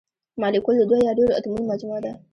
مالیکول د دوه یا ډیرو اتومونو مجموعه ده.